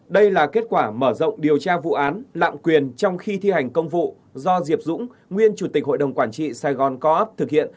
đây là kết quả mở rộng điều tra vụ án lạm quyền trong khi thi hành công vụ do diệp dũng nguyên chủ tịch hội đồng quản trị sài gòn co op thực hiện